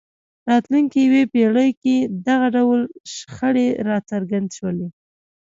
راتلونکې یوې پېړۍ کې دغه ډول شخړې راڅرګند شول.